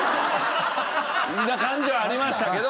な感じはありましたけど。